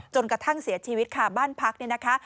จนกระทั่งเสียชีวิตค่ะบ้านพักเนี่ยนะคะ